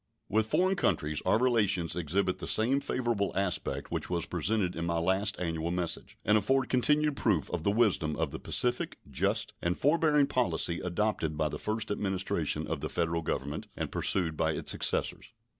With foreign countries our relations exhibit the same favorable aspect which was presented in my last annual message, and afford continued proof of the wisdom of the pacific, just, and forbearing policy adopted by the first Administration of the Federal Government and pursued by its successors.